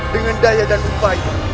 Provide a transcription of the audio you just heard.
dengan daya dan upaya